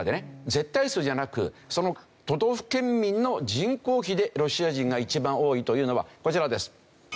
絶対数じゃなくその都道府県民の人口比でロシア人が一番多いというのはこちらです。